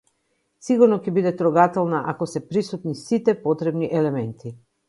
Сигурно ќе биде трогателна ако се присутни сите потребни елементи.